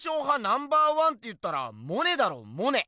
ナンバーワンっていったらモネだろモネ！